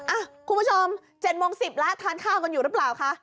อ่ะคุณผู้ชม๗โมง๑๐ละทานข้าวกันอยู่รึเปล่าคะ